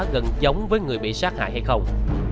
gần giống với người bị sát hại hay không